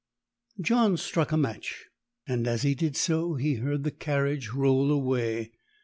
John struck a match, and as he did so heard the carriage roll away.